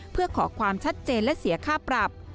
เพื่อขอความชัดเจนและเสียค่าปรับ